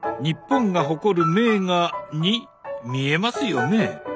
日本が誇る名画に見えますよね？